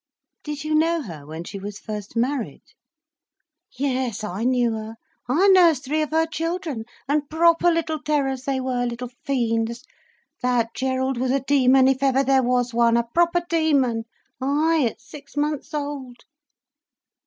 "Did you know her when she was first married?" "Yes, I knew her. I nursed three of her children. And proper little terrors they were, little fiends—that Gerald was a demon if ever there was one, a proper demon, ay, at six months old."